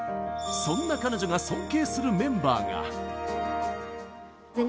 そんな彼女が尊敬するメンバーが。